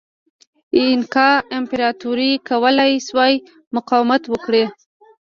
اینکا امپراتورۍ کولای شوای مقاومت وکړي.